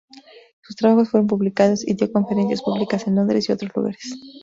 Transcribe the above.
Sus trabajos fueron publicados, y dio conferencias públicas en Londres y otros lugares.